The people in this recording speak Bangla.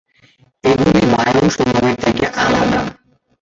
এগুলি বায়োম-সমূহের থেকে আলাদা।